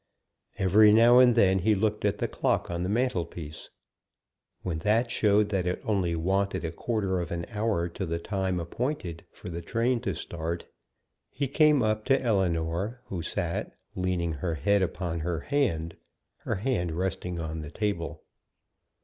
Every now and then he looked at the clock on the mantelpiece. When that showed that it only wanted a quarter of an hour to the time appointed for the train to start, he came up to Ellinor, who sat leaning her head upon her hand, her hand resting on the table.